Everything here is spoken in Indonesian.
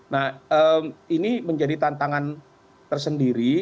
nah ini menjadi tantangan tersendiri